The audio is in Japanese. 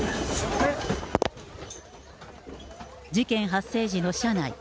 事件発生時の車内。